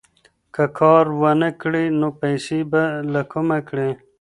که کار ونه کړې، نو پیسې به له کومه کړې؟